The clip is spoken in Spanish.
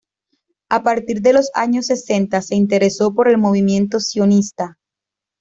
A partir de los años sesenta se interesó por el movimiento sionista.